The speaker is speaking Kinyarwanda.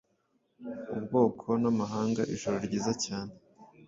Ubwoko namahanga Ijoro ryiza cyane